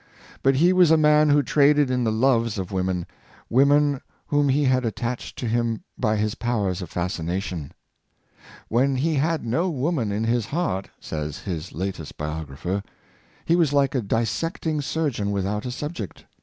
But he was a man who traded in the loves of women — women whom he had attached to him by his powers of fascination. " When he had no woman in his heart," says his latest biographer, " he was like a dissecting surgeon without a subject.